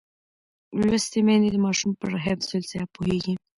لوستې میندې د ماشوم پر حفظ الصحه پوهېږي.